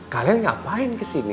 kalian ngapain kesini